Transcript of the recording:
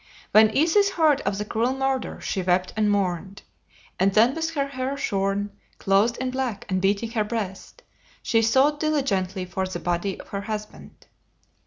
When Isis heard of the cruel murder she wept and mourned, and then with her hair shorn, clothed in black and beating her breast, she sought diligently for the body of her husband.